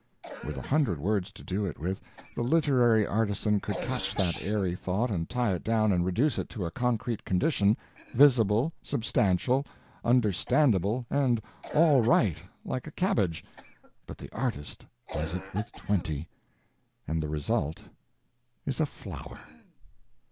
With a hundred words to do it with, the literary artisan could catch that airy thought and tie it down and reduce it to a concrete condition, visible, substantial, understandable and all right, like a cabbage; but the artist does it with twenty, and the result is a flower.